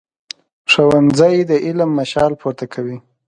ښوونځی د علم مشال پورته کوي